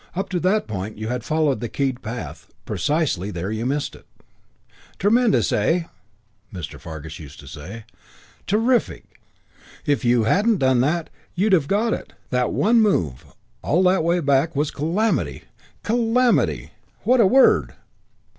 Up to that point you had followed the keyed path; precisely there you missed it. "Tremendous, eh?" Mr. Fargus used to say. "Terrific. If you hadn't done that you'd have got it. That one move, all that way back, was calamity. Calamity! What a word!"